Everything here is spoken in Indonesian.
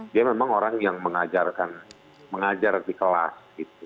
dia memang orang yang mengajar di kelas